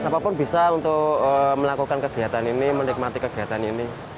siapapun bisa untuk melakukan kegiatan ini menikmati kegiatan ini